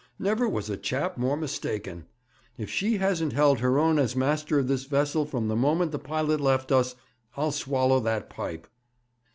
Never was a chap more mistaken. If she hasn't held her own as master of this vessel from the moment the pilot left us, I'll swallow that pipe.'